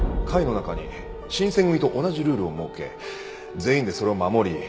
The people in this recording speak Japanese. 会の中に新選組と同じルールを設け全員でそれを守り。